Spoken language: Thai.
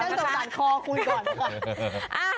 ฉันสงสารขอคุยก่อนค่ะ